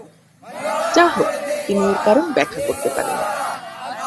যাহোক, তিনি এর কারণ ব্যাখ্যা করতে পারেন নি।